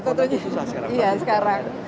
ini susah sekarang